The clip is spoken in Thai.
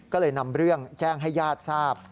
ก็เลยนำเรื่องแจ้งให้ญาติทราบ